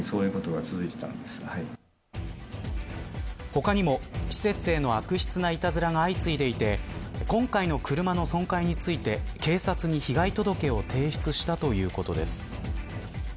他にも施設への悪質ないたずらが相次いでいて今回の車の損壊について警察に被害届を提出したということです。